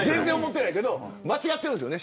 間違っているんですよね。